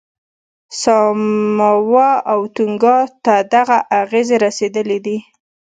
ساموا او تونګا ته دغه اغېزې رسېدلې دي.